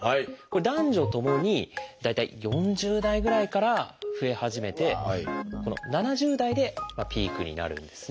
男女ともに大体４０代ぐらいから増え始めて７０代でピークになるんですね。